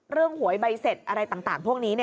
หวยใบเสร็จอะไรต่างพวกนี้